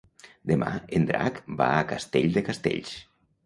Demà en Drac va a Castell de Castells.